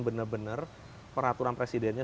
bener bener peraturan presidennya